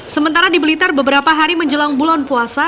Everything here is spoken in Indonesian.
sementara di blitar beberapa hari menjelang bulan puasa